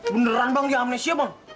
beneran bang di amnesia bang